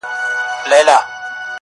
کشکي ستاسي په څېر زه هم الوتلای -